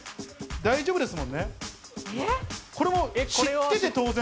大丈夫ですもんね。